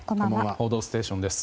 「報道ステーション」です。